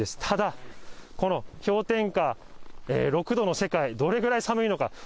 ただ、この氷点下６度の世界、どれぐらい寒いのか。